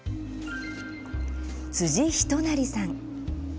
辻仁成さん。